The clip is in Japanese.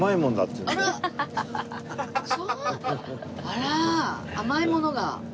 あら甘いものが？